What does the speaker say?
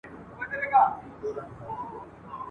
د ارغند خاوري به مي رانجه وي ..